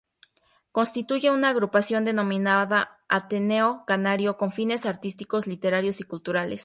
Constituye una agrupación denominada Ateneo Canario con fines artísticos, literarios y culturales.